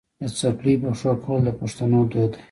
د څپلیو په پښو کول د پښتنو دود دی.